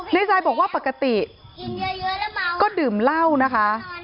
ทรายบอกว่าปกติก็ดื่มเหล้านะคะ